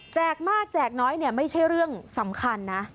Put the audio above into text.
มากแจกน้อยเนี่ยไม่ใช่เรื่องสำคัญนะ